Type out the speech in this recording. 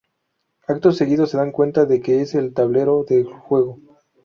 Acto seguido se dan cuenta de que es el tablero del juego.